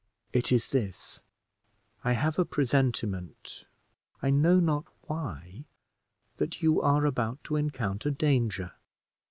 "It is this: I have a presentiment, I know not why, that you are about to encounter danger.